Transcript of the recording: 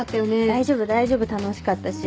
大丈夫大丈夫楽しかったし。